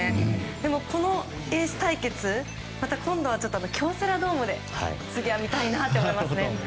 でも、このエース対決を京セラドームで次は見たいなって思いますね。